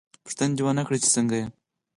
_ پوښتنه دې ونه کړه چې څنګه؟